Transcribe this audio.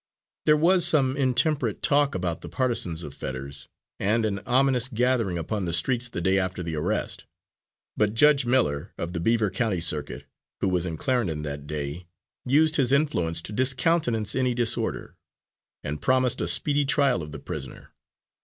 There was some intemperate talk among the partisans of Fetters, and an ominous gathering upon the streets the day after the arrest, but Judge Miller, of the Beaver County circuit, who was in Clarendon that day, used his influence to discountenance any disorder, and promised a speedy trial of the prisoner.